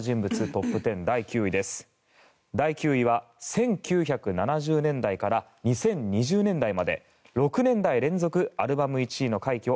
トップ１０第９位は１９７０年代から２０２０年代まで６年代連続アルバム１位の快挙